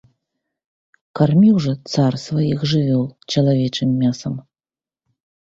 Карміў жа цар сваіх жывёл чалавечым мясам.